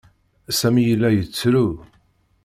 Sami yella yettru.